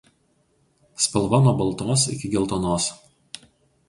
Spalva nuo baltos iki geltonos.